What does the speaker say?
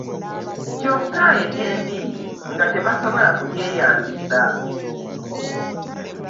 Kyokka ebyembi nga tebasobola kubyeyambisa